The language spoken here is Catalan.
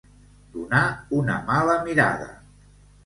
Donar una mala mirada.